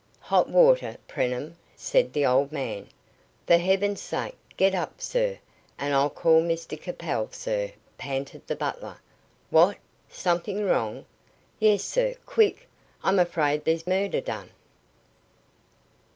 "Hot water, Preenham?" said the old man. "For Heaven's sake, get up, sir, and I'll call Mr Capel, sir!" panted the butler. "What! Something wrong?" "Yes, sir quick! I'm afraid there's murder done."